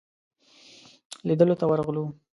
لیدلو ته ورغلو.